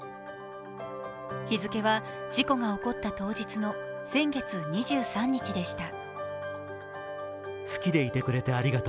日付は事故が起こった当日の先月２３日でした。